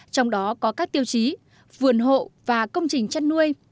trong đó có các tiêu chí vườn hộ và công trình chăn nuôi